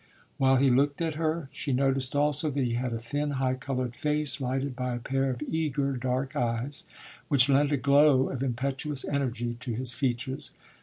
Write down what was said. While he looked at her, she noticed, also, that he had a thin, high coloured face, lighted by a pair of eager dark eyes which lent a glow of impetuous energy to his features.